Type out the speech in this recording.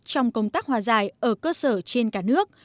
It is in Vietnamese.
trong công tác hòa giải ở cơ sở trên cả nước